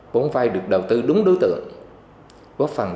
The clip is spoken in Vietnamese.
vốn vai được đầu tư đúng đối tượng góp phần giúp hộ vai vươn linh thoát nghèo